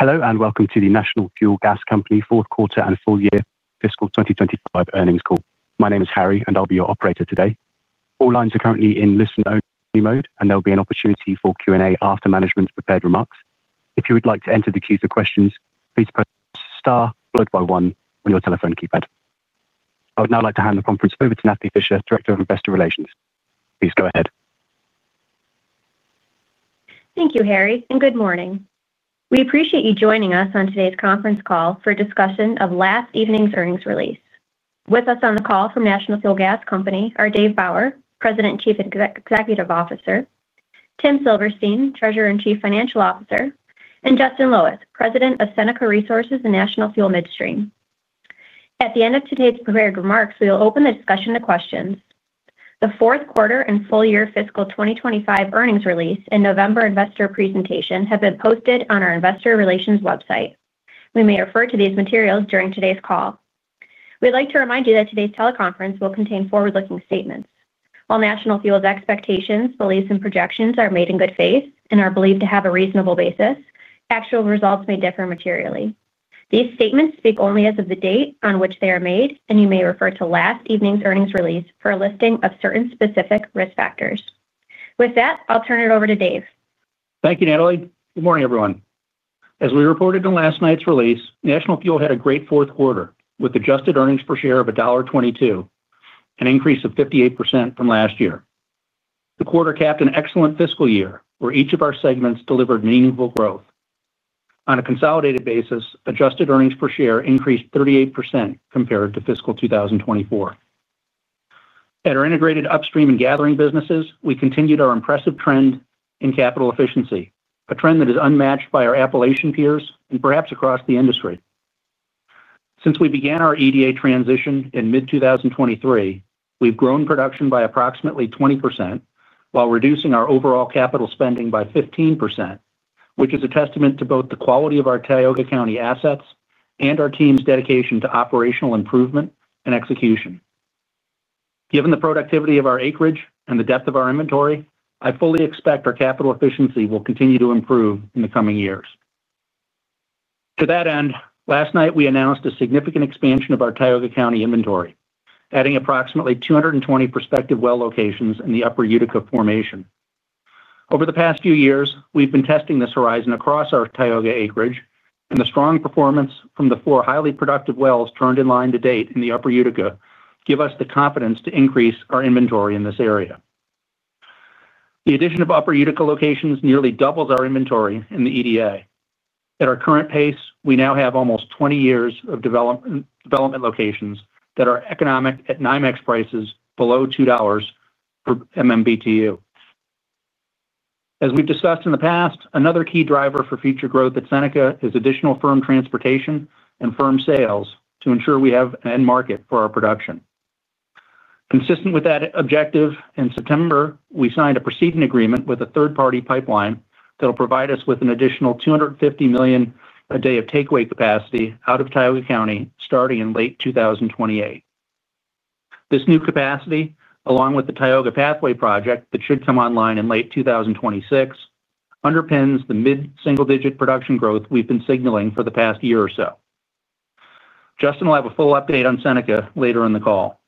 Hello and welcome to the National Fuel Gas Company Quarter and Full-Year Fiscal 2025 Earnings Call. My name is Harry, and I'll be your operator today. All lines are currently in listen-only mode, and there'll be an opportunity for Q&A after management's prepared remarks. If you would like to enter the queue for questions, please press star followed by one on your telephone keypad. I would now like to hand the conference over to Natalie Fischer, Director of Investor Relations. Please go ahead. Thank you, Harry, and good morning. We appreciate you joining us on today's conference call for a discussion of last evening's earnings release. With us on the call from National Fuel Gas Company are Dave Bauer, President and Chief Executive Officer; Tim Silverstein, Treasurer and Chief Financial Officer; and Justin Loweth, President of Seneca Resources and National Fuel Midstream. At the end of today's prepared remarks, we will open the discussion to questions. The fourth quarter and full-year fiscal 2025 earnings release and November investor presentation have been posted on our investor relations website. We may refer to these materials during today's call. We'd like to remind you that today's teleconference will contain forward-looking statements. While National Fuel's expectations, beliefs, and projections are made in good faith and are believed to have a reasonable basis, actual results may differ materially. These statements speak only as of the date on which they are made, and you may refer to last evening's earnings release for a listing of certain specific risk factors. With that, I'll turn it over to Dave. Thank you, Natalie. Good morning, everyone. As we reported in last night's release, National Fuel had a great fourth quarter with adjusted earnings per share of $1.22, an increase of 58% from last year. The quarter capped an excellent fiscal year where each of our segments delivered meaningful growth. On a consolidated basis, adjusted earnings per share increased 38% compared to fiscal 2024. At our integrated upstream and gathering businesses, we continued our impressive trend in capital efficiency, a trend that is unmatched by our Appalachian peers and perhaps across the industry. Since we began our EDA transition in mid-2023, we've grown production by approximately 20% while reducing our overall capital spending by 15%, which is a testament to both the quality of our Tioga County assets and our team's dedication to operational improvement and execution. Given the productivity of our acreage and the depth of our inventory, I fully expect our capital efficiency will continue to improve in the coming years. To that end, last night we announced a significant expansion of our Tioga County inventory, adding approximately 220 prospective well locations in the Upper Utica formation. Over the past few years, we've been testing this horizon across our Tioga acreage, and the strong performance from the four highly productive wells turned in line to date in the Upper Utica gives us the confidence to increase our inventory in this area. The addition of Upper Utica locations nearly doubles our inventory in the EDA. At our current pace, we now have almost 20 years of development locations that are economic at NYMEX prices below $2 per MMBTU. As we've discussed in the past, another key driver for future growth at Seneca is additional firm transportation and firm sales to ensure we have an end market for our production. Consistent with that objective, in September, we signed a precedent agreement with a third-party pipeline that'll provide us with an additional 250 million a day of takeaway capacity out of Tioga County starting in late 2028. This new capacity, along with the Tioga Pathway project that should come online in late 2026, underpins the mid-single-digit production growth we've been signaling for the past year or so. Justin will have a full update on Seneca later in the call.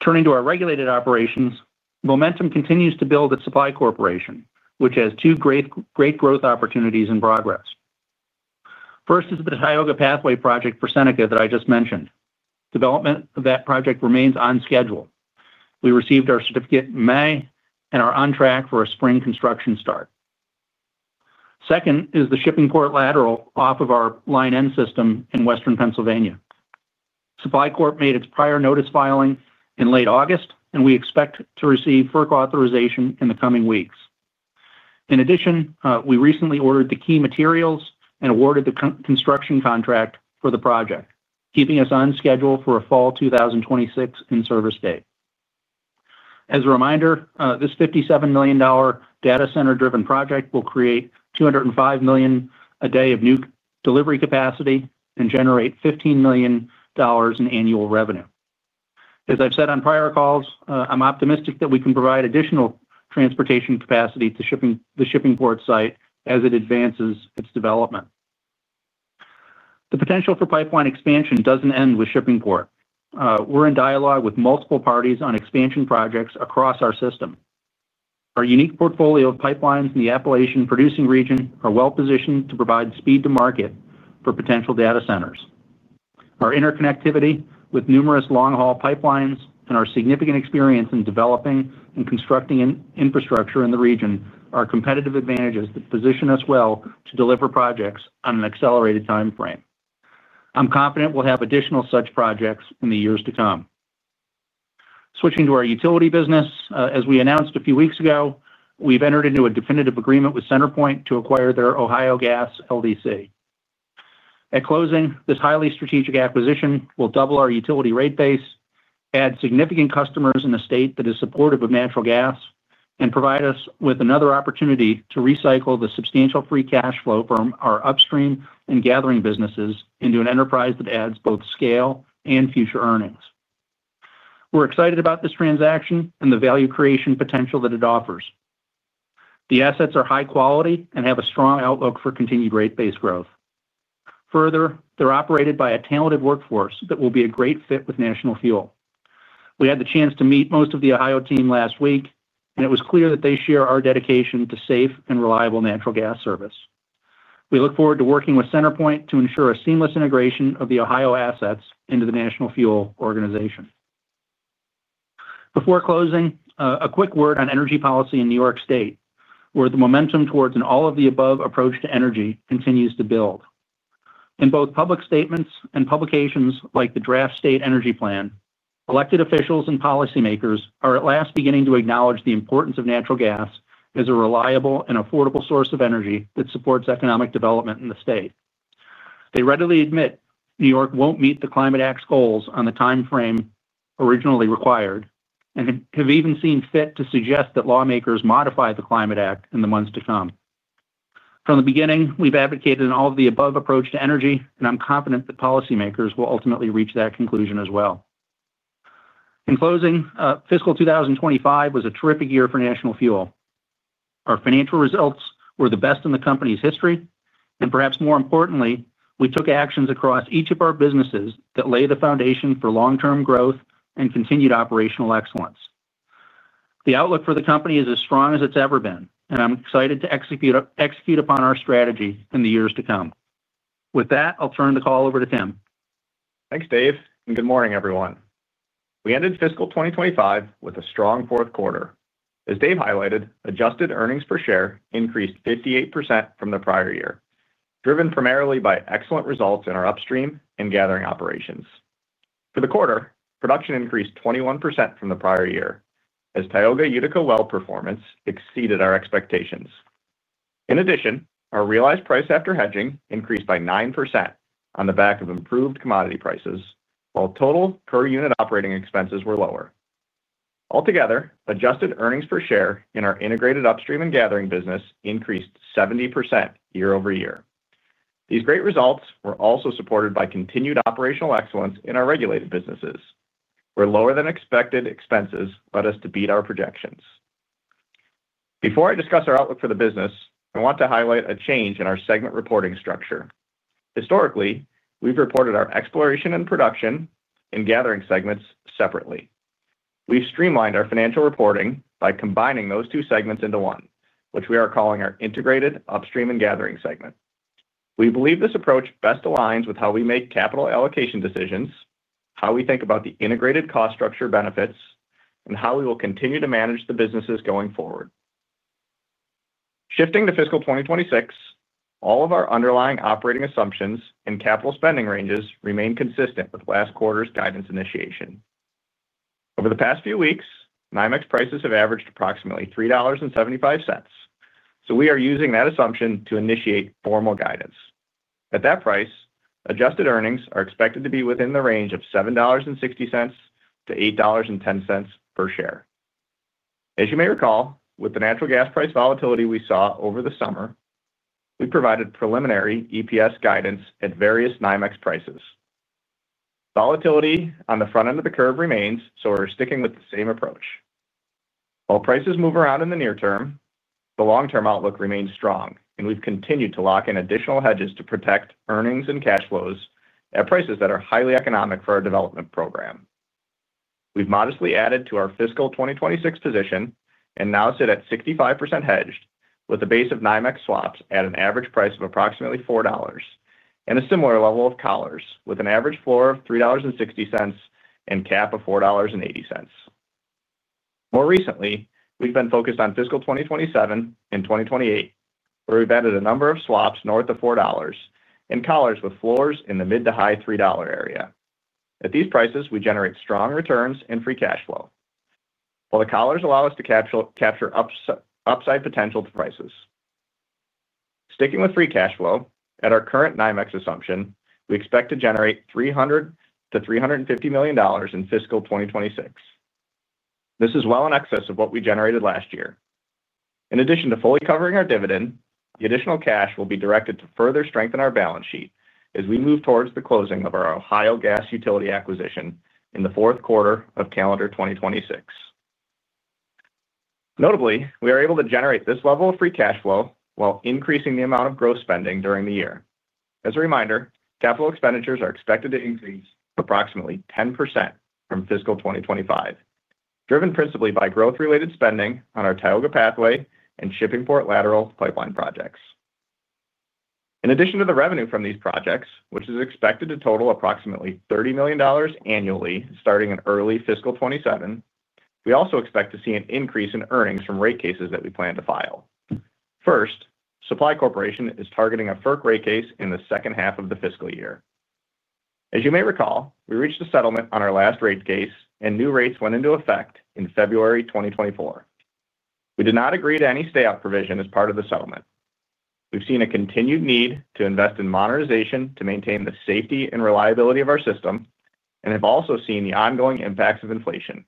Turning to our regulated operations, momentum continues to build at Supply Corporation, which has two great growth opportunities in progress. First is the Tioga Pathway project for Seneca that I just mentioned. Development of that project remains on schedule. We received our certificate in May and are on track for a spring construction start. Second is the Shippingport lateral off of our Line N system in Western Pennsylvania. Supply Corp made its prior notice filing in late August, and we expect to receive FERC authorization in the coming weeks. In addition, we recently ordered the key materials and awarded the construction contract for the project, keeping us on schedule for a fall 2026 in service date. As a reminder, this $57 million data center-driven project will create 205 million a day of new delivery capacity and generate $15 million in annual revenue. As I've said on prior calls, I'm optimistic that we can provide additional transportation capacity to the Shippingport site as it advances its development. The potential for pipeline expansion does not end with Shippingport. We're in dialogue with multiple parties on expansion projects across our system. Our unique portfolio of pipelines in the Appalachian producing region are well positioned to provide speed to market for potential data centers. Our interconnectivity with numerous long-haul pipelines and our significant experience in developing and constructing infrastructure in the region are competitive advantages that position us well to deliver projects on an accelerated time frame. I'm confident we'll have additional such projects in the years to come. Switching to our utility business, as we announced a few weeks ago, we've entered into a definitive agreement with CenterPoint to acquire their Ohio Gas LDC. At closing, this highly strategic acquisition will double our utility rate base, add significant customers in the state that is supportive of natural gas, and provide us with another opportunity to recycle the substantial free cash flow from our upstream and gathering businesses into an enterprise that adds both scale and future earnings. We're excited about this transaction and the value creation potential that it offers. The assets are high quality and have a strong outlook for continued rate-based growth. Further, they're operated by a talented workforce that will be a great fit with National Fuel. We had the chance to meet most of the Ohio team last week, and it was clear that they share our dedication to safe and reliable natural gas service. We look forward to working with CenterPoint to ensure a seamless integration of the Ohio assets into the National Fuel organization. Before closing, a quick word on energy policy in New York State, where the momentum towards an all-of-the-above approach to energy continues to build. In both public statements and publications like the Draft State Energy Plan, elected officials and policymakers are at last beginning to acknowledge the importance of natural gas as a reliable and affordable source of energy that supports economic development in the state. They readily admit New York will not meet the Climate Act's goals on the time frame originally required and have even seen fit to suggest that lawmakers modify the Climate Act in the months to come. From the beginning, we have advocated an all-of-the-above approach to energy, and I am confident that policymakers will ultimately reach that conclusion as well. In closing, fiscal 2025 was a terrific year for National Fuel. Our financial results were the best in the company's history, and perhaps more importantly, we took actions across each of our businesses that lay the foundation for long-term growth and continued operational excellence. The outlook for the company is as strong as it's ever been, and I'm excited to execute upon our strategy in the years to come. With that, I'll turn the call over to Tim. Thanks, Dave, and good morning, everyone. We ended fiscal 2025 with a strong fourth quarter. As Dave highlighted, adjusted earnings per share increased 58% from the prior year, driven primarily by excellent results in our upstream and gathering operations. For the quarter, production increased 21% from the prior year as Tioga Utica well performance exceeded our expectations. In addition, our realized price after hedging increased by 9% on the back of improved commodity prices, while total per unit operating expenses were lower. Altogether, adjusted earnings per share in our integrated upstream and gathering business increased 70% year-over-year. These great results were also supported by continued operational excellence in our regulated businesses, where lower-than-expected expenses led us to beat our projections. Before I discuss our outlook for the business, I want to highlight a change in our segment reporting structure. Historically, we've reported our exploration and production and gathering segments separately. We've streamlined our financial reporting by combining those two segments into one, which we are calling our integrated upstream and gathering segment. We believe this approach best aligns with how we make capital allocation decisions, how we think about the integrated cost structure benefits, and how we will continue to manage the businesses going forward. Shifting to fiscal 2026, all of our underlying operating assumptions and capital spending ranges remain consistent with last quarter's guidance initiation. Over the past few weeks, NYMEX prices have averaged approximately $3.75, so we are using that assumption to initiate formal guidance. At that price, adjusted earnings are expected to be within the range of $7.60 to 8.10 per share. As you may recall, with the natural gas price volatility we saw over the summer, we provided preliminary EPS guidance at various NYMEX prices. Volatility on the front end of the curve remains, so we're sticking with the same approach. While prices move around in the near term, the long-term outlook remains strong, and we've continued to lock in additional hedges to protect earnings and cash flows at prices that are highly economic for our development program. We've modestly added to our fiscal 2026 position and now sit at 65% hedged with a base of NYMEX swaps at an average price of approximately $4. A similar level of collars with an average floor of $3.60 and cap of $4.80. More recently, we've been focused on fiscal 2027 and 2028, where we've added a number of swaps north of $4 and collars with floors in the mid to high $3 area. At these prices, we generate strong returns and free cash flow. While the collars allow us to capture upside potential prices. Sticking with free cash flow, at our current NYMEX assumption, we expect to generate $300-350 million in fiscal 2026. This is well in excess of what we generated last year. In addition to fully covering our dividend, the additional cash will be directed to further strengthen our balance sheet as we move towards the closing of our Ohio Gas utility acquisition in the fourth quarter of calendar 2026. Notably, we are able to generate this level of free cash flow while increasing the amount of gross spending during the year. As a reminder, capital expenditures are expected to increase approximately 10% from fiscal 2025, driven principally by growth-related spending on our Tioga Pathway and Shippingport lateral pipeline projects. In addition to the revenue from these projects, which is expected to total approximately $30 million annually starting in early fiscal 2027, we also expect to see an increase in earnings from rate cases that we plan to file. First, Supply Corporation is targeting a FERC rate case in the second half of the fiscal year. As you may recall, we reached a settlement on our last rate case, and new rates went into effect in February 2024. We did not agree to any stay-out provision as part of the settlement. We've seen a continued need to invest in monetization to maintain the safety and reliability of our system and have also seen the ongoing impacts of inflation.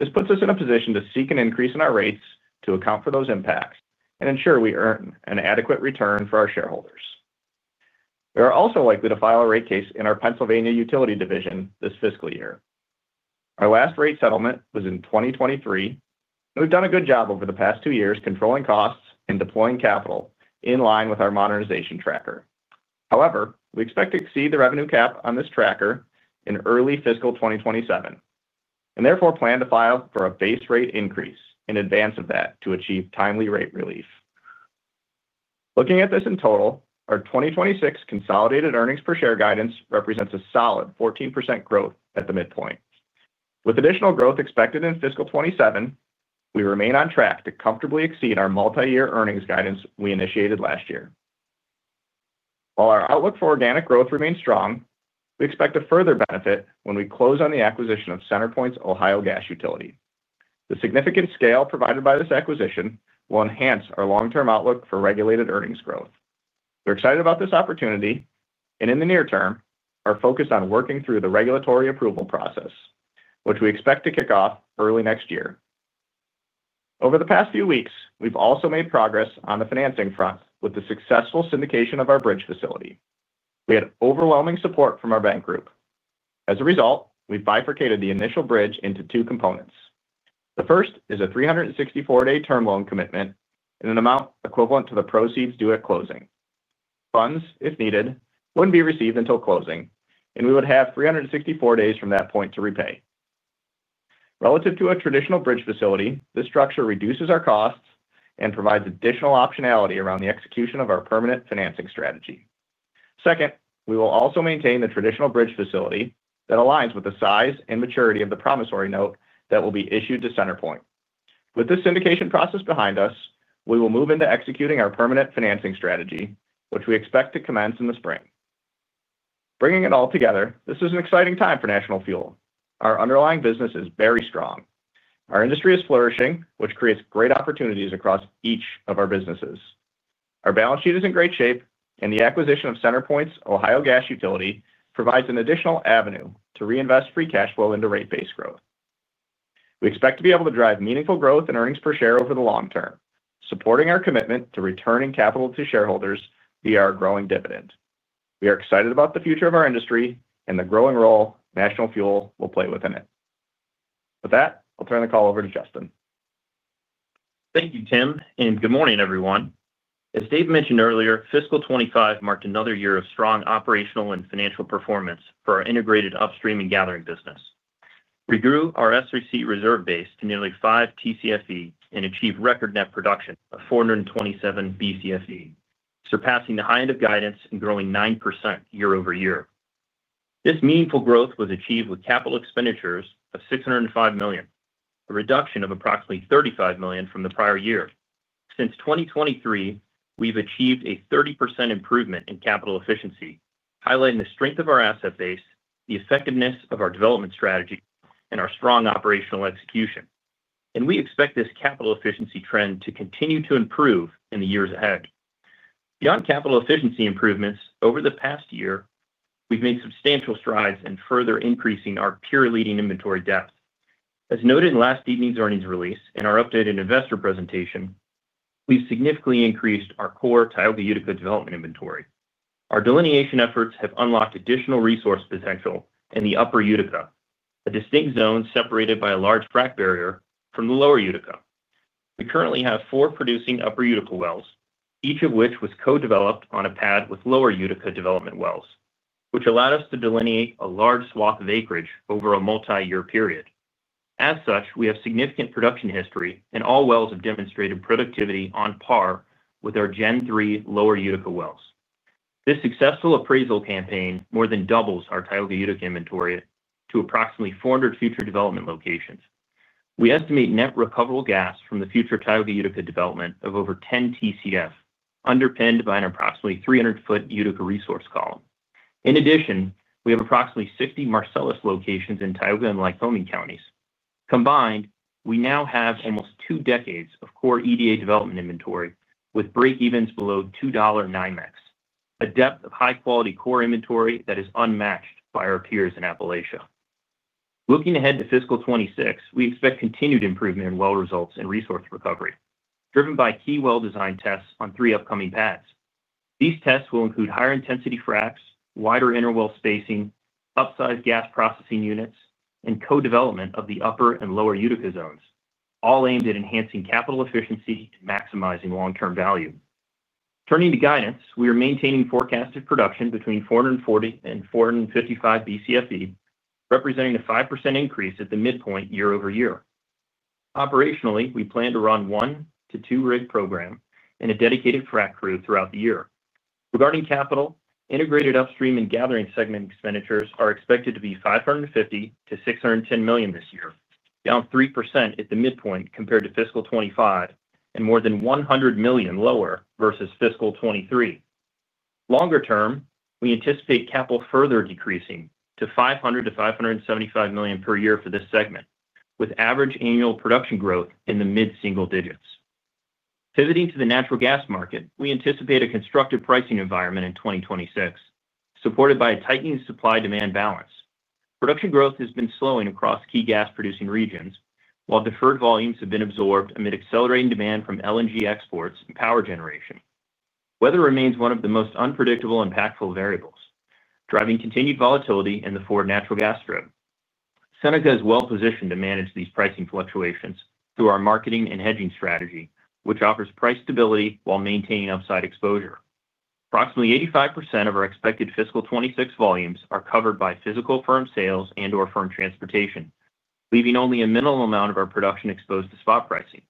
This puts us in a position to seek an increase in our rates to account for those impacts and ensure we earn an adequate return for our shareholders. We are also likely to file a rate case in our Pennsylvania utility division this fiscal year. Our last rate settlement was in 2023, and we've done a good job over the past two years controlling costs and deploying capital in line with our modernization tracker. However, we expect to exceed the revenue cap on this tracker in early fiscal 2027 and therefore plan to file for a base rate increase in advance of that to achieve timely rate relief. Looking at this in total, our 2026 consolidated earnings per share guidance represents a solid 14% growth at the midpoint. With additional growth expected in fiscal 2027, we remain on track to comfortably exceed our multi-year earnings guidance we initiated last year. While our outlook for organic growth remains strong, we expect a further benefit when we close on the acquisition of CenterPoint's Ohio Gas Utility. The significant scale provided by this acquisition will enhance our long-term outlook for regulated earnings growth. We're excited about this opportunity, and in the near term, our focus on working through the regulatory approval process, which we expect to kick off early next year. Over the past few weeks, we've also made progress on the financing front with the successful syndication of our bridge facility. We had overwhelming support from our bank group. As a result, we've bifurcated the initial bridge into two components. The first is a 364-day term loan commitment in an amount equivalent to the proceeds due at closing. Funds, if needed, wouldn't be received until closing, and we would have 364 days from that point to repay. Relative to a traditional bridge facility, this structure reduces our costs and provides additional optionality around the execution of our permanent financing strategy. Second, we will also maintain the traditional bridge facility that aligns with the size and maturity of the promissory note that will be issued to CenterPoint. With this syndication process behind us, we will move into executing our permanent financing strategy, which we expect to commence in the spring. Bringing it all together, this is an exciting time for National Fuel. Our underlying business is very strong. Our industry is flourishing, which creates great opportunities across each of our businesses. Our balance sheet is in great shape, and the acquisition of CenterPoint's Ohio Gas Utility provides an additional avenue to reinvest free cash flow into rate-based growth. We expect to be able to drive meaningful growth in earnings per share over the long term, supporting our commitment to returning capital to shareholders via our growing dividend. We are excited about the future of our industry and the growing role National Fuel will play within it. With that, I'll turn the call over to Justin. Thank you, Tim, and good morning, everyone. As Dave mentioned earlier, fiscal 2025 marked another year of strong operational and financial performance for our integrated upstream and gathering business. We grew our SRC reserve base to nearly 5 TCFE and achieved record net production of 427 BCFE, surpassing the high end of guidance and growing 9% year-over year. This meaningful growth was achieved with capital expenditures of $605 million, a reduction of approximately $35 million from the prior year. Since 2023, we've achieved a 30% improvement in capital efficiency, highlighting the strength of our asset base, the effectiveness of our development strategy, and our strong operational execution. We expect this capital efficiency trend to continue to improve in the years ahead. Beyond capital efficiency improvements, over the past year, we've made substantial strides in further increasing our peer-leading inventory depth. As noted in last evening's earnings release and our updated investor presentation, we've significantly increased our core Tioga Utica development inventory. Our delineation efforts have unlocked additional resource potential in the Upper Utica, a distinct zone separated by a large frac barrier from the Lower Utica. We currently have four producing Upper Utica wells, each of which was co-developed on a pad with Lower Utica development wells, which allowed us to delineate a large swath of acreage over a multi-year period. As such, we have significant production history, and all wells have demonstrated productivity on par with our Gen 3 Lower Utica wells. This successful appraisal campaign more than doubles our Tioga Utica inventory to approximately 400 future development locations. We estimate net recoverable gas from the future Tioga Utica development of over 10 TCF, underpinned by an approximately 300-foot Utica resource column. In addition, we have approximately 60 Marcellus locations in Tioga and Lycoming counties. Combined, we now have almost two decades of core EDA development inventory with breakevens below $2.00 NYMEX, a depth of high-quality core inventory that is unmatched by our peers in Appalachia. Looking ahead to fiscal 2026, we expect continued improvement in well results and resource recovery, driven by key well design tests on three upcoming pads. These tests will include higher intensity fracs, wider interwell spacing, upsized gas processing units, and co-development of the upper and Lower Utica zones, all aimed at enhancing capital efficiency and maximizing long-term value. Turning to guidance, we are maintaining forecasted production between 440 and 455 BCFE, representing a 5% increase at the midpoint year-over- year. Operationally, we plan to run one to two rig programs and a dedicated frac crew throughout the year. Regarding capital, integrated upstream and gathering segment expenditures are expected to be $550 to 610 million this year, down 3% at the midpoint compared to fiscal 2025 and more than $100 million lower versus fiscal 2023. Longer term, we anticipate capital further decreasing to $500 to 575 million per year for this segment, with average annual production growth in the mid-single digits. Pivoting to the natural gas market, we anticipate a constructive pricing environment in 2026, supported by a tightening supply-demand balance. Production growth has been slowing across key gas-producing regions, while deferred volumes have been absorbed amid accelerating demand from LNG exports and power generation. Weather remains one of the most unpredictable and impactful variables, driving continued volatility in the forward natural gas strip. Seneca is well-positioned to manage these pricing fluctuations through our marketing and hedging strategy, which offers price stability while maintaining upside exposure. Approximately 85% of our expected fiscal 2026 volumes are covered by physical firm sales and/or firm transportation, leaving only a minimal amount of our production exposed to spot pricing.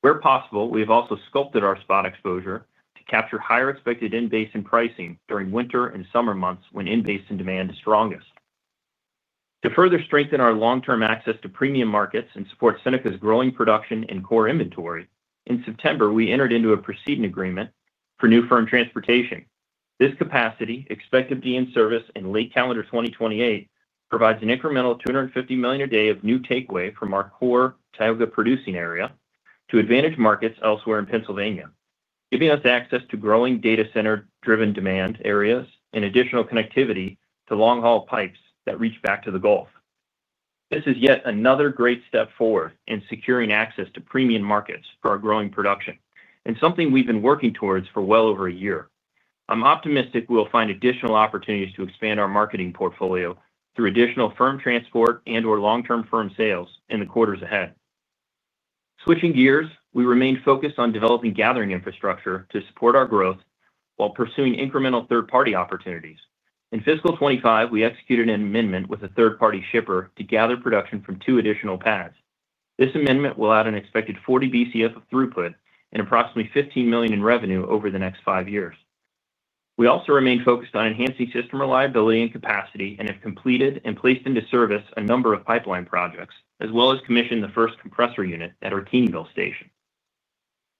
Where possible, we have also sculpted our spot exposure to capture higher expected in-basin pricing during winter and summer months when in-basin demand is strongest. To further strengthen our long-term access to premium markets and support Seneca's growing production and core inventory, in September, we entered into a precedent agreement for new firm transportation. This capacity, expected to be in service in late calendar 2028, provides an incremental $250 million a day of new takeaway from our core Tioga producing area to advantaged markets elsewhere in Pennsylvania, giving us access to growing data center-driven demand areas and additional connectivity to long-haul pipes that reach back to the Gulf. This is yet another great step forward in securing access to premium markets for our growing production, and something we've been working towards for well over a year. I'm optimistic we'll find additional opportunities to expand our marketing portfolio through additional firm transport and/or long-term firm sales in the quarters ahead. Switching gears, we remain focused on developing gathering infrastructure to support our growth while pursuing incremental third-party opportunities. In fiscal 2025, we executed an amendment with a third-party shipper to gather production from two additional pads. This amendment will add an expected 40 BCF of throughput and approximately $15 million in revenue over the next five years. We also remain focused on enhancing system reliability and capacity and have completed and placed into service a number of pipeline projects, as well as commissioned the first compressor unit at our Teanville station.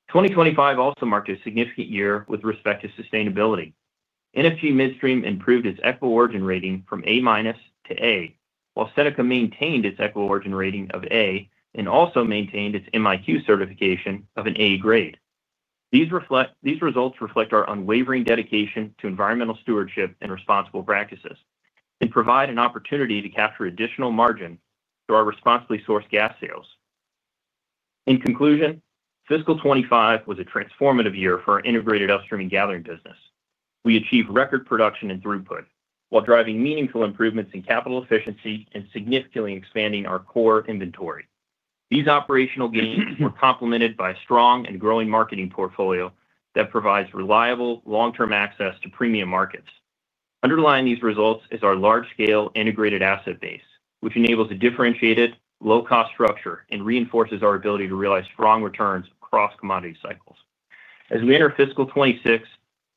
2025 also marked a significant year with respect to sustainability. NFG Midstream improved its ECHO origin rating from A- to A, while Seneca maintained its ECHO origin rating of A and also maintained its MIQ certification of an A grade. These results reflect our unwavering dedication to environmental stewardship and responsible practices and provide an opportunity to capture additional margin through our responsibly sourced gas sales. In conclusion, fiscal 2025 was a transformative year for our integrated upstream and gathering business. We achieved record production and throughput while driving meaningful improvements in capital efficiency and significantly expanding our core inventory. These operational gains were complemented by a strong and growing marketing portfolio that provides reliable long-term access to premium markets. Underlying these results is our large-scale integrated asset base, which enables a differentiated, low-cost structure and reinforces our ability to realize strong returns across commodity cycles. As we enter fiscal 2026,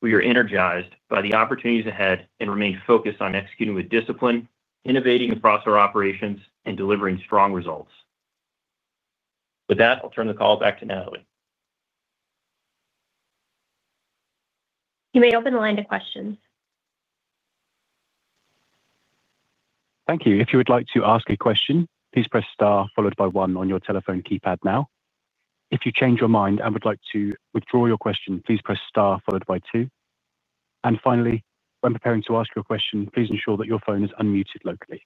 we are energized by the opportunities ahead and remain focused on executing with discipline, innovating across our operations, and delivering strong results. With that, I'll turn the call back to Natalie. You may open the line to questions. Thank you. If you would like to ask a question, please press star followed by one on your telephone keypad now. If you change your mind and would like to withdraw your question, please press star followed by two. Finally, when preparing to ask your question, please ensure that your phone is unmuted locally.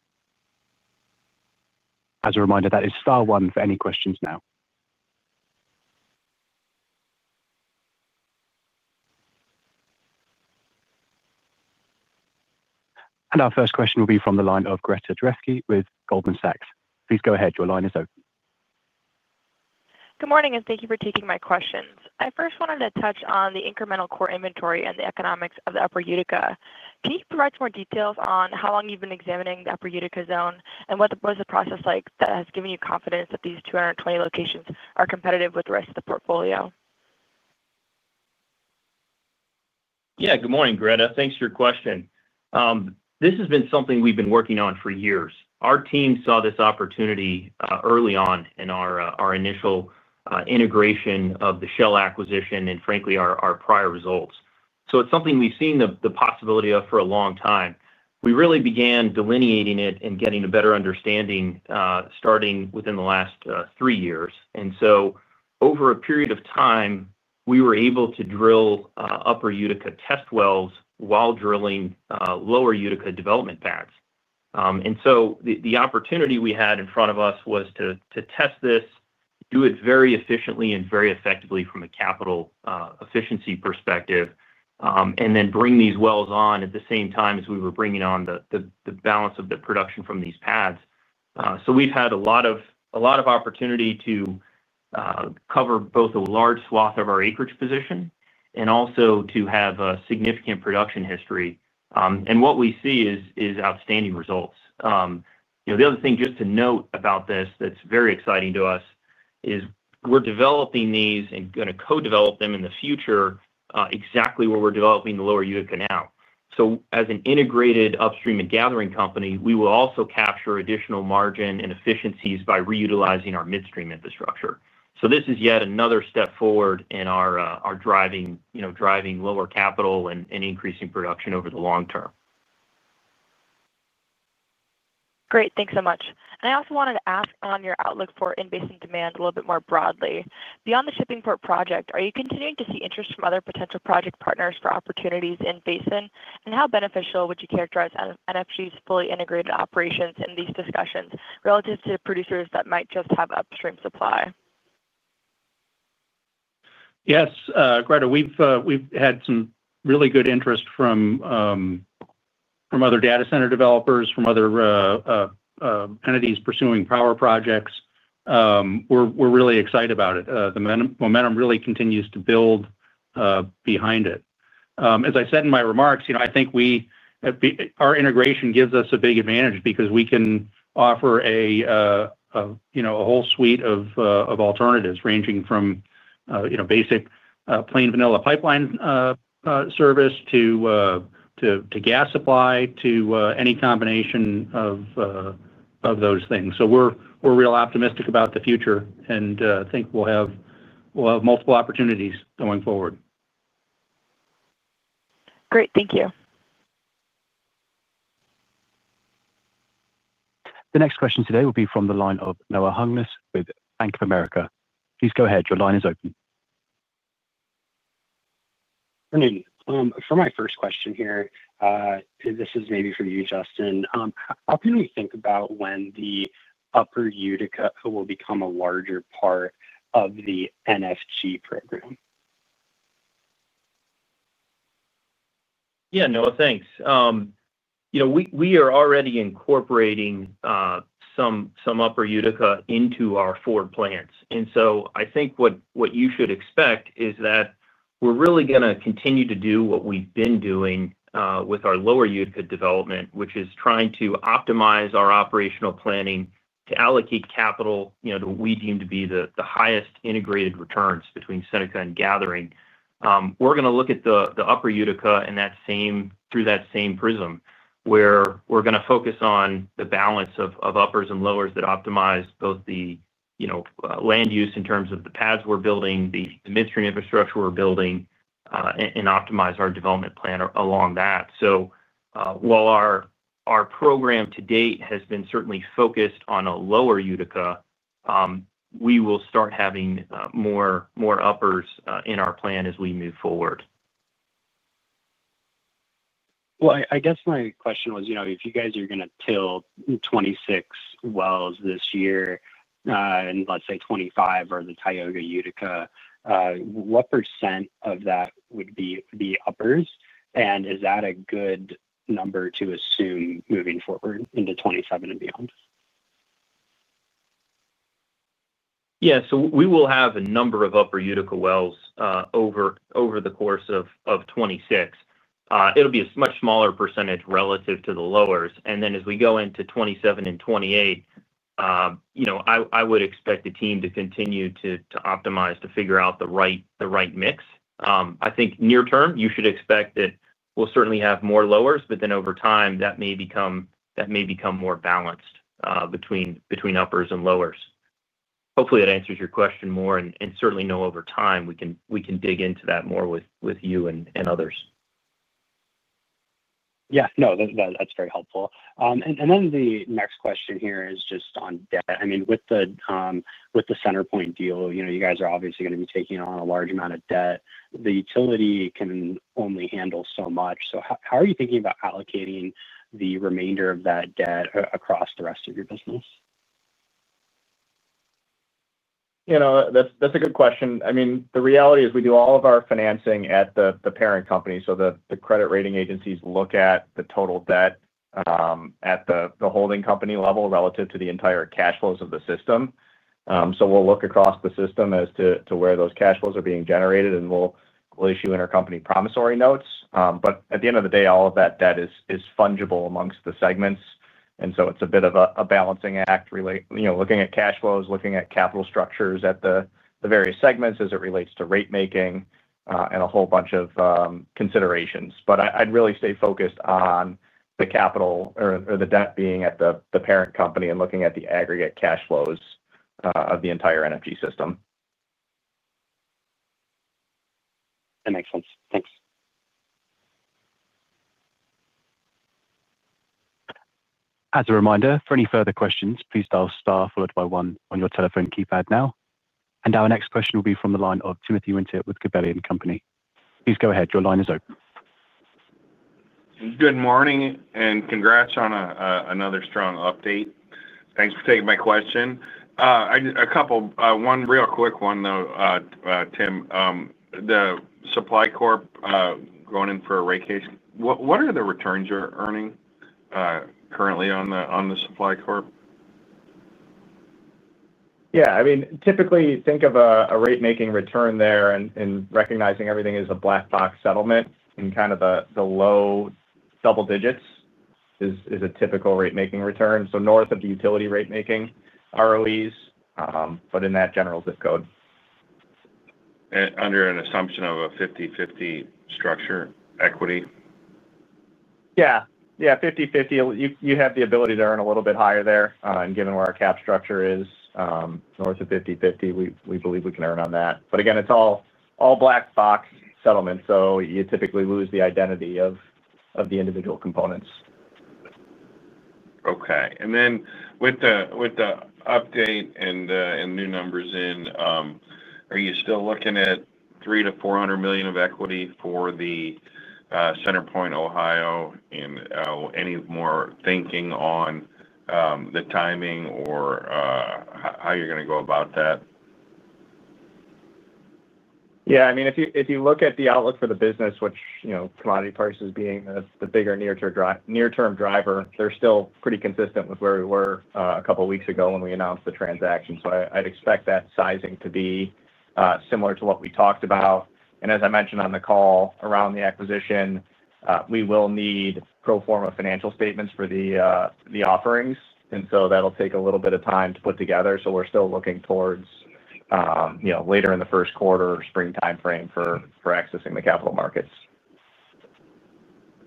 As a reminder, that is star one for any questions now. Our first question will be from the line of Greta Droshky with Goldman Sachs. Please go ahead. Your line is open. Good morning, and thank you for taking my questions. I first wanted to touch on the incremental core inventory and the economics of the Upper Utica. Can you provide some more details on how long you've been examining the Upper Utica zone and what was the process like that has given you confidence that these 220 locations are competitive with the rest of the portfolio? Yeah, good morning, Greta. Thanks for your question. This has been something we've been working on for years. Our team saw this opportunity early on in our initial integration of the Shell acquisition and, frankly, our prior results. It is something we've seen the possibility of for a long time. We really began delineating it and getting a better understanding starting within the last three years. Over a period of time, we were able to drill Upper Utica test wells while drilling Lower Utica development pads. The opportunity we had in front of us was to test this, do it very efficiently and very effectively from a capital efficiency perspective, and then bring these wells on at the same time as we were bringing on the balance of the production from these pads. We've had a lot of opportunity to cover both a large swath of our acreage position and also to have a significant production history. What we see is outstanding results. The other thing just to note about this that is very exciting to us is we are developing these and going to co-develop them in the future exactly where we are developing the Lower Utica now. As an integrated upstream and gathering company, we will also capture additional margin and efficiencies by reutilizing our midstream infrastructure. This is yet another step forward in our driving lower capital and increasing production over the long term. Great. Thanks so much. I also wanted to ask on your outlook for inbasin and demand a little bit more broadly. Beyond the Shippingport project, are you continuing to see interest from other potential project partners for opportunities inbasin? How beneficial would you characterize NFG's fully integrated operations in these discussions relative to producers that might just have upstream supply? Yes, Greta. We've had some really good interest from other data center developers, from other entities pursuing power projects. We're really excited about it. The momentum really continues to build behind it. As I said in my remarks, I think our integration gives us a big advantage because we can offer a whole suite of alternatives ranging from basic plain vanilla pipeline service to gas supply to any combination of those things. So we're real optimistic about the future and think we'll have multiple opportunities going forward. Great. Thank you. The next question today will be from the line of Noah Hughes with Bank of America. Please go ahead. Your line is open. Good evening. For my first question here. This is maybe for you, Justin. How can we think about when the Upper Utica will become a larger part of the NFG program? Yeah, Noah, thanks. We are already incorporating some Upper Utica into our four plants. I think what you should expect is that we're really going to continue to do what we've been doing with our Lower Utica development, which is trying to optimize our operational planning to allocate capital to what we deem to be the highest integrated returns between Seneca and gathering. We're going to look at the Upper Utica through that same prism, where we're going to focus on the balance of uppers and lowers that optimize both the land use in terms of the pads we're building, the midstream infrastructure we're building, and optimize our development plan along that. While our program to date has been certainly focused on a Lower Utica, we will start having more uppers in our plan as we move forward. I guess my question was, if you guys are going to drill 26 wells this year. And let's say 25 are the Tioga Utica, what % of that would be uppers? And is that a good number to assume moving forward into 2027 and beyond? Yeah. We will have a number of Upper Utica wells over the course of 2026. It'll be a much smaller percentage relative to the lowers. As we go into 2027 and 2028, I would expect the team to continue to optimize to figure out the right mix. I think near term, you should expect that we'll certainly have more lowers, but over time, that may become more balanced between uppers and lowers. Hopefully, that answers your question more. Certainly, over time, we can dig into that more with you and others. Yeah. No, that's very helpful. The next question here is just on debt. I mean, with the CenterPoint deal, you guys are obviously going to be taking on a large amount of debt. The utility can only handle so much. How are you thinking about allocating the remainder of that debt across the rest of your business? That's a good question. I mean, the reality is we do all of our financing at the parent company. The credit rating agencies look at the total debt at the holding company level relative to the entire cash flows of the system. We look across the system as to where those cash flows are being generated, and we issue intercompany promissory notes. At the end of the day, all of that debt is fungible amongst the segments. It's a bit of a balancing act, looking at cash flows, looking at capital structures at the various segments as it relates to rate-making and a whole bunch of considerations. I'd really stay focused on the capital or the debt being at the parent company and looking at the aggregate cash flows of the entire energy system. That makes sense. Thanks. As a reminder, for any further questions, please dial star followed by one on your telephone keypad now. Our next question will be from the line of Timothy Winter with Gabelli & Company. Please go ahead. Your line is open. Good morning and congrats on another strong update. Thanks for taking my question. One real quick one, though, Tim. The Supply Corp going in for a rate case, what are the returns you're earning currently on the Supply Corp? Yeah. I mean, typically, think of a rate-making return there and recognizing everything as a black box settlement and kind of the low double digits is a typical rate-making return. So north of the utility rate-making ROEs, but in that general zip code. Under an assumption of a 50/50 structure, equity? Yeah. Yeah, 50/50. You have the ability to earn a little bit higher there. Given where our cap structure is, north of 50/50, we believe we can earn on that. Again, it's all black box settlement. You typically lose the identity of the individual components. Okay. And then with the update and new numbers in. Are you still looking at $300 to 400 million of equity for the CenterPoint, Ohio, and any more thinking on the timing or how you're going to go about that? Yeah. I mean, if you look at the outlook for the business, with commodity prices being the bigger near-term driver, they're still pretty consistent with where we were a couple of weeks ago when we announced the transaction. I would expect that sizing to be similar to what we talked about. As I mentioned on the call around the acquisition, we will need pro forma financial statements for the offerings. That will take a little bit of time to put together. We are still looking towards later in the first quarter, spring timeframe for accessing the capital markets.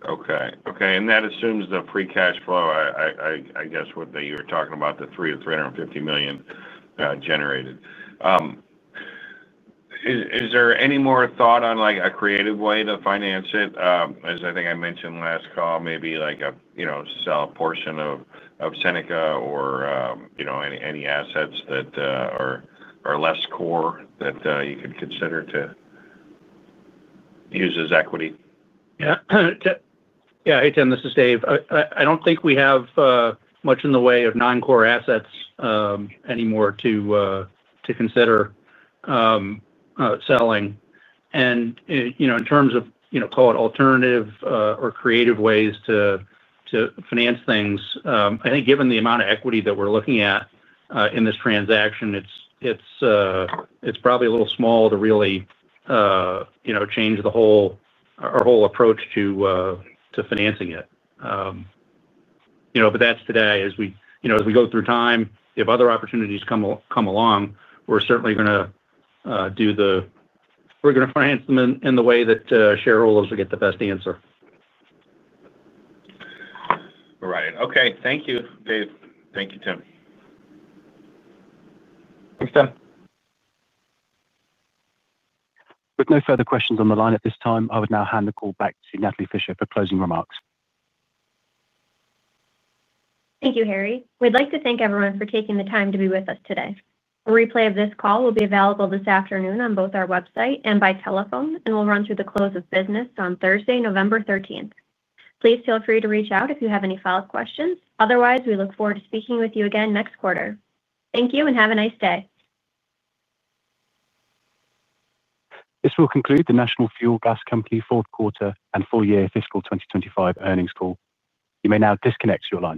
Okay. Okay. That assumes the pre-cash flow, I guess, what you were talking about, the $300 to 350 million generated. Is there any more thought on a creative way to finance it? As I think I mentioned last call, maybe sell a portion of Seneca or any assets that are less core that you could consider to use as equity? Yeah. Hey, Tim, this is Dave. I do not think we have much in the way of non-core assets anymore to consider selling. In terms of, call it, alternative or creative ways to finance things, I think given the amount of equity that we are looking at in this transaction, it is probably a little small to really change our whole approach to financing it. That is today. As we go through time, if other opportunities come along, we are certainly going to do the—we are going to finance them in the way that shareholders will get the best answer. All right. Okay. Thank you, Dave. Thank you, Tim. Thanks, Tim. With no further questions on the line at this time, I would now hand the call back to Natalie Fischer for closing remarks. Thank you, Harry. We'd like to thank everyone for taking the time to be with us today. A replay of this call will be available this afternoon on both our website and by telephone, and will run through the close of business on Thursday, November 13. Please feel free to reach out if you have any follow-up questions. Otherwise, we look forward to speaking with you again next quarter. Thank you and have a nice day. This will conclude the National Fuel Gas Company fourth quarter and full-year fiscal 2025 earnings call. You may now disconnect your line.